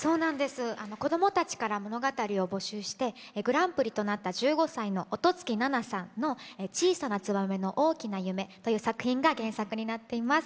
子どもたちから物語を募集してグランプリとなった１５歳の乙月ななさんの「小さなツバメの大きな夢」という作品が原作になっています。